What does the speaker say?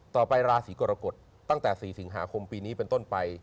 ราศีกรกฎตั้งแต่๔สิงหาคมปีนี้เป็นต้นไป